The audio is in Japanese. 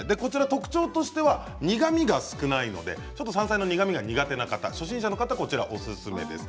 特徴としては苦みが少ないので山菜の苦みが苦手な方初心者の方はこちらがおすすめです。